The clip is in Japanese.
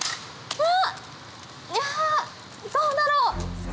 うわどうだろう？